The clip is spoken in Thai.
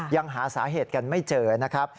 ยังหาสาเหตุกันไม่เจอนะครับ